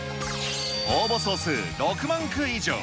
応募総数６万句以上。